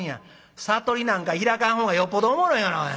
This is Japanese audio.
「悟りなんか開かんほうがよっぽどおもろいがな。